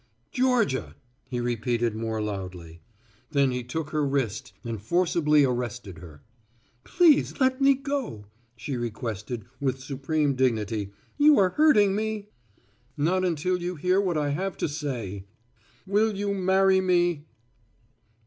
"Georgia!" he repeated more loudly. Then he took her wrist and forcibly arrested her. "Please let me go," she requested with supreme dignity, "you are hurting me." "Not until you hear what I have to say. Will you marry me?"